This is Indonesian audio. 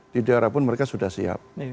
di daerah pun mereka sudah siap